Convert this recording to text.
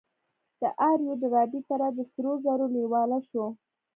د آر يو ډاربي تره د سرو زرو لېواله شو.